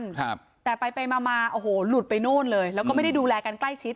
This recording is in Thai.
ครับแต่ไปไปมามาโอ้โหหลุดไปโน่นเลยแล้วก็ไม่ได้ดูแลกันใกล้ชิด